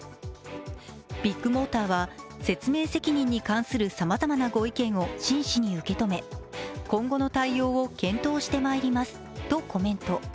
ビッグモーターは説明責任に関するさまざまなご意見を真摯に受け止め、今後の対応を検討してまいりますとコメント。